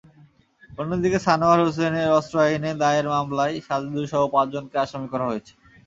অন্যদিকে সানোয়ার হোসেনের অস্ত্র আইনে দায়ের মামলায় সাজেদুরসহ পাঁচজনকে আসামি করা হয়েছে।